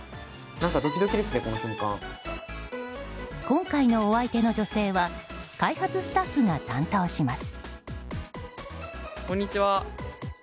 今回の、お相手の女性は開発スタッフが担当します。